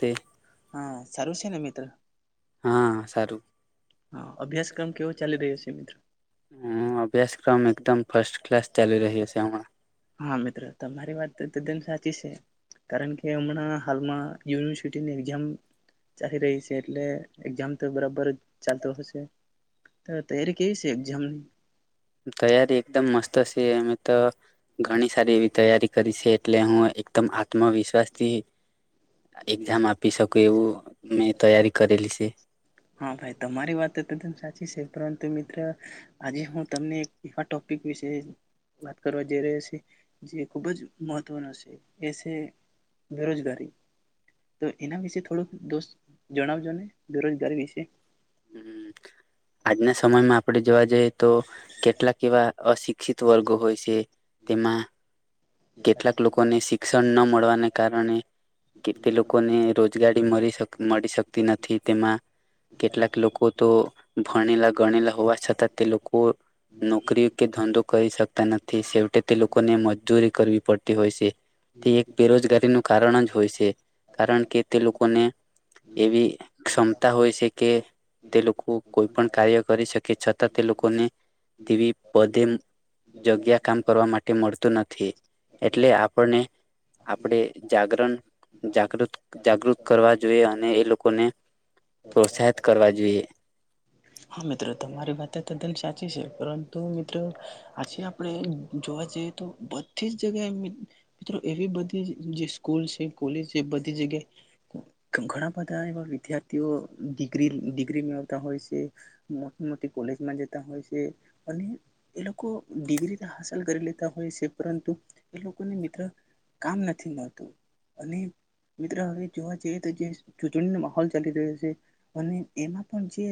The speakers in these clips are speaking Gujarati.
તે હા. સારું છે ને મિત્ર? હા સારું. હા અભ્યાસક્રમ કેવો ચાલી રહ્યો છે મિત્ર હમ્મ. અભ્યાસક્રમ એકદમ ફર્સ્ટ ક્લાસ ચાલી રહ્યો છે હમણાં. હા મિત્ર. તમારી વાત તો તદ્દન સાચી સે, કારણ કે હમણાં હાલમાં યુનિવર્સિટીની એક્ઝામ ચાલી રહી સે, એટલે એક્ઝામ તો બરાબર ચાલતો હશે. તો તૈયારી કેવી છે એક્ઝામની? તૈયારી એકદમ મસ્ત સ સે એમ તો ઘણી સારી એવી તૈયારી કરી છે. એટલે હું એકદમ [unintelligible] આત્મવિશ્વાસથી એક્ઝામ આપી શકું એવું મેં તૈયારી કરેલી સે. હા ભાઈ. તમારી વાત તદન સાચી સે, પરંતુ મિત્ર આજે હું તમને એક એવા ટોપિક વિશે વાત કરવા જઈ રહ્યો સે, જે ખુબ જ મહત્વનો સે, એ સે બેરોજગારી. તો એના વિશે થોડુંક દોસ્ત જણાવજો ને, બેરોજગારી વિ શે. હમ્મ. આજના સમયમાં આપણે જોવા જઈએ તો કેટલાક એવા અશિક્ષિત વર્ગો હોય સે, તેમાં કેટલાક લોકોને શિક્ષણ ન મળવાને કારણે કે તે લોકોને રોજગારી મળી શ મળી શકતી નથી. તેમાં કેટલાક લોકો તો ભણેલા ગણેલા હોવા છતાં તે લોકો નોકરી કે ધંધો કરી શકતા નથી, સેવટે તે લોકોને મજૂરી કરવી પડતી હોય છે તે એક બેરોજગારીનું કારણ જ હોય સે કારણ કે તે લોકોને એવી ક્ષમતા હોય છે કે તે લોકો કોઈ પણ કાર્ય કરી શકે છતાં તે લોકોને તેવી પદે જગ્યા કામ કરવા માટે મળતું નથી એટલે આપણને આપણે જાગરણ જાગૃત જાગૃત કરવા જોઈએ અને એ લોકોને પ્રોત્સાહિત કરવા જોઈએ હા મિત્રો તમારી વાત તદ્દન સાચી છે પરંતુ મિત્રો આજે આપણે જોવા જઈએ તો બધી જ જગ્યાએ મિત્રો એવી બધી જે સ્કૂલ છે કોલેજ છે બધી જગ્યાએ ઘણા બધા એવા વિદ્યાર્થીઓિગ્રી ડિગ્રી મેળવતા હોય છે મોટી મોટી કોલેજમાં જતા હોય છે અને એ લોકો ડિગ્રી હાંસલ કરી લેતા હોય છે પરંતુ એ લોકોને મિત્ર કામ નથી મળતું અને મિત્ર હવે જોવા જઈએ તો જે જે માહોલ ચાલી રહ્યો છે અને એમાં પણ જે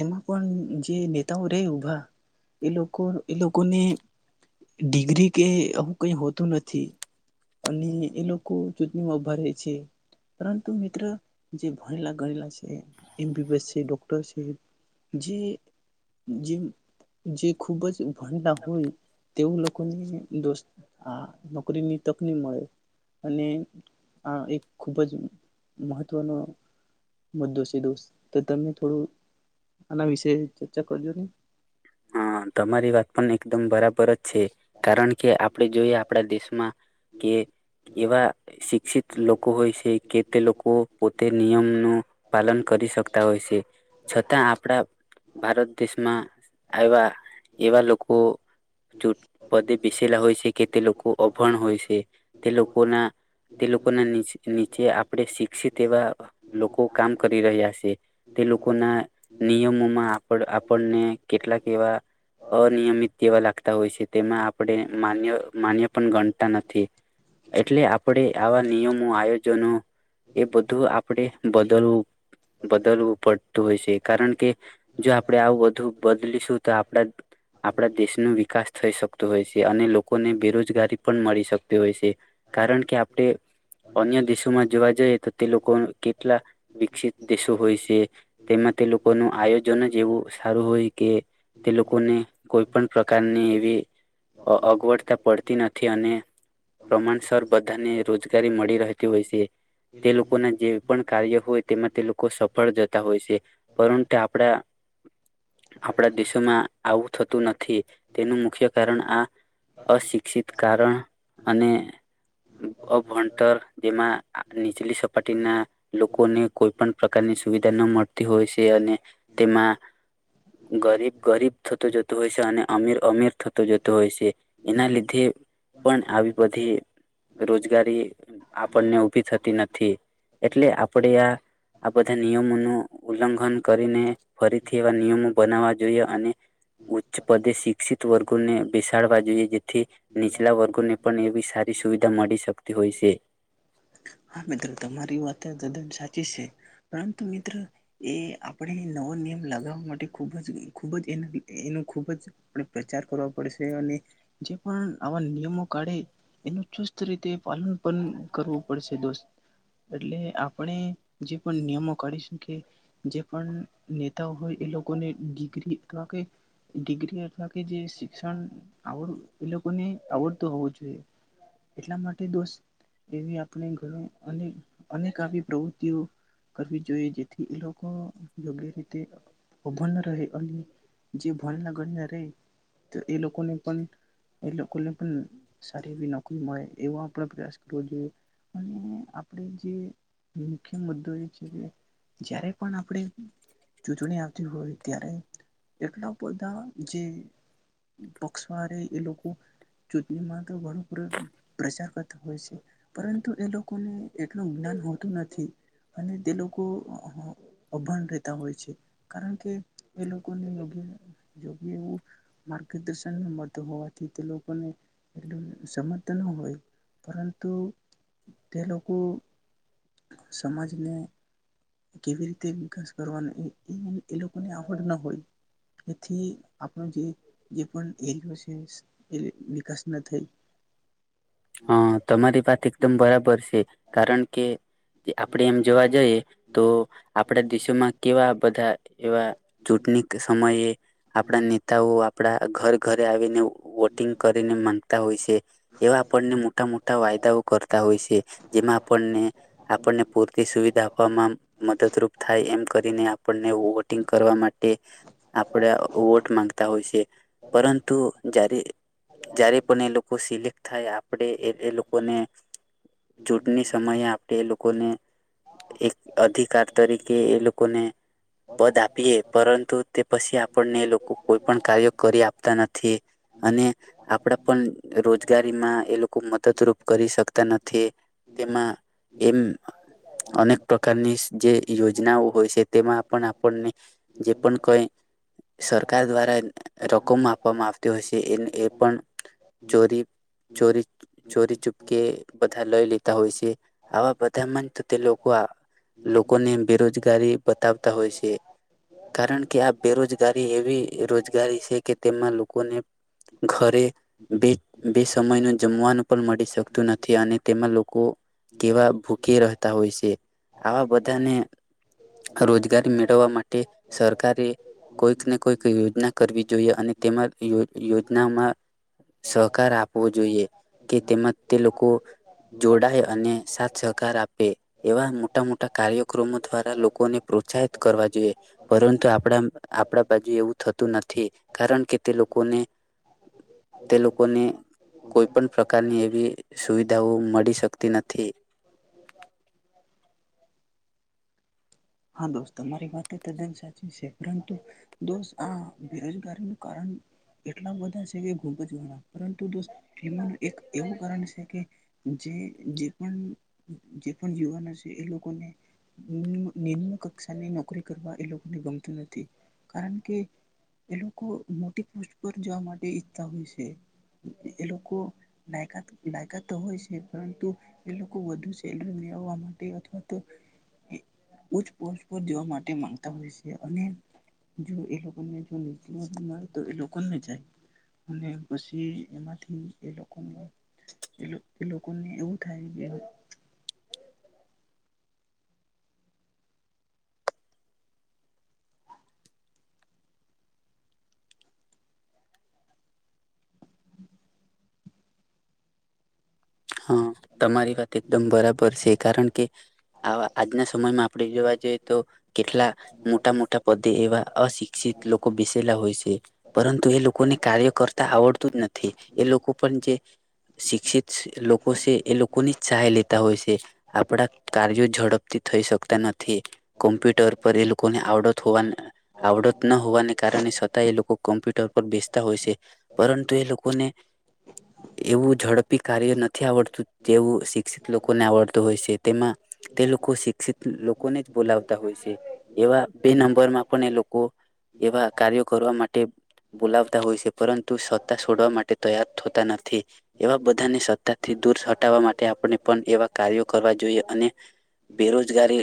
એમાં પણ જે નેતાઓ રહે ઉભા એ લોકો એ લોકોને ડિગ્રી કે આવું કઈ હોતું નથી અને એ લોકો ચૂટણીમાં ઉભા રહે છે પરંતુ મિત્ર જે ભણેલા ગણેલા છે જે જે જે ખૂબ જ ભણતા હોય તેવ લોકોને દોસ્ત આ નોકરીની તકની મળે અને આ એક ખૂબ જ મહત્વનો મુદ્દો છે દોસ્ત થોડું આના વિશે ચર્ચા કરજો નને હા તમારી વાત પણ એકદમ બરાબર કારણ કે આપણે જોઈએ આપણા દેશમાં કે એવા શિક્ષિત લોકો હોય છે કે તે લોકો પોતે નિયમ ન પાલન કરી શક હોય છે છતાં આપણા ભારત દેશમાં આવવા એવા લોકો ચૂંટ પદે બેસેલા હોય છે કે તે લોકો અભણ હોય છે તે લોકોના તે લોકોના નીચે આપણે શિક્ષિત એવા લોકો કામ કરી રહ્યા છે તે લોકો ના નિયમોમાં આપણ આપણને કેટલાક એવા અનિયમિત કેવા લ કરતા હોય છે તેમાં આપણે માન્ય માન્ય પણ ગણતા નથી એટલે આપણે નિયમો આયોજનો એ બધું આપણેે બદલવું પડતું હોય છે કારણ કે જો આપડે આવું બું બદલીશું તો આપડે આપણા દેશ નો વિકાસ થઈ શકતો હોય છે અને લોકોને બેરોજગારી પણ મળી શકતી હોય છે કારણ કે આપણે અન્ય દેશોમાં જોવા જઈએ તો તે લોકો કેટલા વિકસિત દેશો હોય છે તેમાં તે લોકોનું આયોજન જ એવું સારું હોય કે તે લોકોને કોઈ પણ પ્રકારની એવી અગવડતા પડતી નથી નથી અને પ્રમાણસર બધાને રોજગારી મળી રહેતી હોય છે તે લોકો ના જે પણ કાર્ય હોય તેમાં તે લોકો લોકો સફળ જતા હોય છે પરંતુ આપડા આપણા દેશોમાં આવું થતું નથી તેનું મુખ્ય કારણ આ અશિક્ષિત કારણ અને અભણતર જેમાં નીચલી સપાટી ના લોકોને કોઈ પણ પ્રકારની સુવિધા ન મળતી હોય છે અને તેમાં ગરીબ ગરીબ થતો જતો હોય છે અને અમીર અમીર થતો જતો હોયશે એના લીધે પણ આવી બધી રોજગારી આપણને ઉભી થતી નથી એટલે આપણેે આ આ બધા નિયમોનું ઉલ્લંઘન કરીને ફરીથી એવા નિયમો બનાવવા જોઈએ અને ઉચ્ચ પદે શિક્ષિત વર્ગોને બેસાડવા જોઈએ જેથી નીચલા વર્ગોને પણ એવી સારી સુવિધા મળી શકતી હોય છે. હા મિત્રો તમારી વાત તદ્દન સાચી છે પરંતુ મિત્ર એ આપણે નવો નિયમ લગાવવા માટે ખૂબ જ ખૂબ જ એ એનો ખૂબ જ આપણે પ્રચાર કરવા પડશે અને જે પણ આવા નિયમો કાઢે એનો ચુસ્ત રીતે પાલન પણ કરો એ તોસ્ એટલે આપણે જે પણ નિયમો કાઢીશ કે જે પણ નેતાઓ હોય એ લોકોને ડિગ્રી અથવા કે ડિગ્રી અથવા કે જે શિક્ષણ આવડ એ લોકોને આવડતું હોવું જોઈએ. એટલા માટે દોસ્ત એવી આપ અનેક આવી પ્રવૃતિઓ કરવી જોઈએ જેથી એ લોકો યોગ્ય રીતે અભન રહે અને જે ભણનાગળના રહે તો એ લોકોને પણ એ લોકોને પણ સારી એવી નોકરી મળે એવો આપણે પ્રયાસ કરવો જોઈએ. અને આપણે જે મુખ્ય મુદ્દો એ છે કે જયારે પણ આપણે ચૂંચણી આવતી હોય ત્યારે એટલા બધા જે પક્ષવારે એ લોકો ચૂંટણીમાં તો ઘડપર પ્રચાર કરતા હોય છે પરંતુ તો એ લોકોને એટલું જ્ઞાન હોતું નથી અને તે લોકો અભાણ રહેતા હોય છે કારણ કે એ લોકો યોગ્ય ન જો કે એવું માર્ગદર્શન ન મળતુ હોવાથી તે લોકોને એટલું સમત ન હોય પરંતુ તે લોકો સમાજને કેવી રીતે વિકાસ કરવાનો એ લોકો ની આવડ ના હોય તેથી આપણ જે પણ એરયો છે એ વિકાસ ન થાય હા તમારી વાત એકદમ એ આપડે એમ જોવા જઈએ તો આપડા દેશોમાં કેવા બ દા એવા ચૂંટણી સમયે આપણા નેતાઓ આપણા ઘર ઘરે આવીને વોટિંગ કરીને માંગતા હોય છે એવા આપણને મોટા મોટા વાયદાઓ કરતા હોય છે જેમાં આપણને આપણને પૂરતી સુવિધા આપવામાં મદદરૂપ થાય એમ કરીને આપણને વોટિંગ કરવા માટે આપણા વોટ માંગતા હોય છે પરંતુ જ્યારે જ્યારે પણ એ લોકો સિલેક્ટ થાય આપડે એ લોકો કોને ચૂંટણી સમયે આપણે એ લોકોને એક અધિકાર તરીકે એ લોકોને પદ આપીએ [inaudible] પરંતુ તે પછી આપણને એ લોકો કોઈ પણ કાર્ય કરી આપતા નથી અને આપડા પણ રોજગારીમાં એ લોકો મદદરૂપ કરી શકતા નથી તેમાં એમ અનેક પ્રકારની જે યોજનાઓ હોય છે તેમાં પણ આપ આપણને જે પણ કઈ સરકાર દ્વારા રકમ આપવામાં આવતી હોય છે એ એ પણ ચોરી ચોરી ચોરી ચૂપકે બધા લઈ લેતા હોય છે આવા બધામાં તે લોકો લોકોને બેરોજગારી બતાવ તા હોય છે કારણ કે આ બેરોજગારી એવી રોજગારી છે કે તેમાં લોકોને ઘરે બે બે સમય ન જમવાનું પણ મળી શકતું નથી અને તેમાં લોકો કેવા ભૂખ રહેતા હોય છે આવા બધાને રોજગારી ઘવા માટે સરકારે કોઈકને કોઈક યોજના કરવી જોઈએ અને તેમાંયો યોજનામાં સહકાર આપવો જોઈએ કે તેમાં તે લોકો જોડાય અને સાથ સહકાર આપે એવા મોટા મોટા કાર્યક્રમો દ્વારા લોકોને પ્રોત્સાહિત કરવા જોઇએ પરંતુ આપણા આપણા બાજુ એવું થતું નથી કારણ કે તે લોકોને તે લોકોને કોઈ પણ પ્રકારની એવી સુવિધાઓ મળી શકતી નથી. હા દોસ્ તમારી વાત તદ્દન સાચી છે પરંતુ દોસ્ત આ બેરોજગારીનું કારણ એટલા બધા છે કે ઘૂપ જ ગણા પરંતુ દોસ્તનું એક એવું કારણ છે કે જે પણ જે પણ યુવાનો છે એ લોકોને નિમ્ન કક્ષાની નોકરી કરવા એ લોકોને ગમતું નથી કારણ કે એ લોકો મોટી પોસ્ટ પર જવા માટે ઈચ્છતા હોય છે એ લોકો લકાત લાયકાત તો હોય છે પરંતુ એ લોકો વધુ સેલરી મેળવવા માટે અથવા તો ઉચ પોસ્ટ પર જવા માટે માંગતા હોય છે અને જો એ લોકોને નીચ તો એ લોકોને જાય અને પછી એમાંથી એ લોકો એ લોકોને એવું કાય દે [unintelligible] હા તમારી વાત એકદમ બરાબર છે કારણ કે આ આજના સમયમાં આપણે જોવા જઈએ તો કેટલા મોટા મોટા પદે એવા અશિક્ષિત લોકો બેસેલા હોય છે પરંતુ એ લોકોને કાર્ય કરતા આવડતું જ નથી એ લોકો પણ જે શિક્ષિત લોકોસે એ લોકોની સહાય લેતા હોય છે આપણા કાર્યો ઝડપથી થઈ શકતા નથી કોમ્પ્યુટર પર એ લોકોને આવડત હોવા આવડત ન હોવાને કારણે છતાં એ લોકો કોમ્પ્યુટર પર બેસતા હોય છે પરંતુ એ લોકોને એવું ઝડપી કાર્ય નથી નથી આવડતું તેવું શિક્ષિત લોકોને આવડતું હોય છે તેમાં તે લોકો શિક્ષિત લોકોને જ બોલાવતા હોય છે એવા બે નંબરમાં પણ એ લોકો એવા કાર્યો કરવા માટે બોલાવતા હોય છે પરંતુ સત્તા છોડવા માટે તૈયાર થતા નથી એવા બધાને સત્તા થી દૂર હટાવવા માટે આપણે પણ એવા કાર્યો કરવા જોઈએ અને બેરોજગારી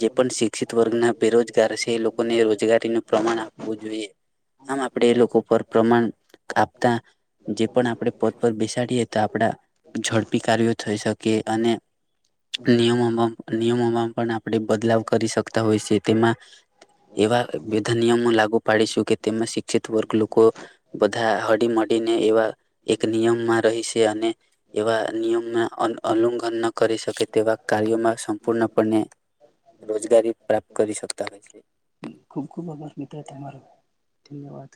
જે પણ શિક્ષિત વર્ગના બેરોજગાર છે એ લોકોને રોજગારીનું પ્રમાણ આપવું જોઈએ આમ આપણે એ લોકો પર પ્રમાણ આપતા જે પણ આપણે પદ પર બેસાડીએ તો આપણા ઝડપી કાર્યો થઈ શકે અને નિયમોમાં નિયમોમાં પણ આપણે બદલાવ કરી શકતા હોય છે તેમાં એવા બધા નિયમો લાગુ પાડી શકે તેમાં શિક્ષિત વર્ગ લોકો બધા હડી મડીને એવા એક નિયમમાં રહીશે અને એવા નિયમમાં ઉલ્લઘન ન કરી શકે તેવા કાર્યોમાં સંપૂર્ણપણે રોજગારી પ્રાપ્ત કરી શકતા હોય છે. ખૂબ ખૂબ આભાર મિત્ર તમારો ધન્યવાદ